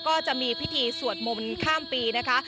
ก็จะมีพิธีสวดมนต์ข้ามปีนะคะ